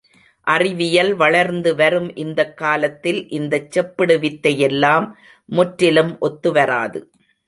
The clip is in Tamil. அறிவியல் வளர்ந்து வரும் இந்தக் காலத்தில், இந்தச் செப்பிடுவித்தையெல்லாம் முற்றிலும் ஒத்து வராது.